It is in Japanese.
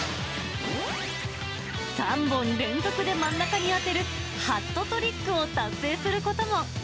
３本連続で真ん中に当てる、ハットトリックを達成することも。